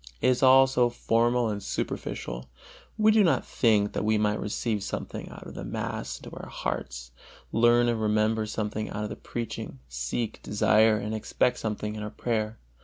It is all so formal and superficial! We do not think that we might receive something out of the mass into our hearts, learn and remember something out of the preaching, seek, desire and expect something in our prayer.